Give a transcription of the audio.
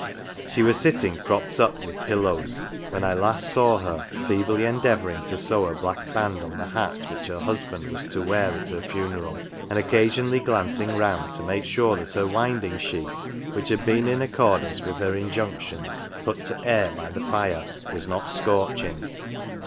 She was sitting propped up with pillows when I last saw her, feebly en deavouring to sew a black band on the hat which her hus band was to wear at her funeral, and occasionally glanc ing round to make sure that her winding sheet, which had been, in accord ance with her injunctions, put to "air" by the fire, was not scorching.